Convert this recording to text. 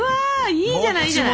いいじゃないいいじゃない。